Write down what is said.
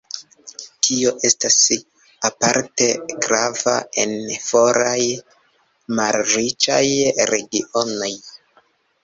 Tio estas aparte grava en foraj malriĉaj regionoj.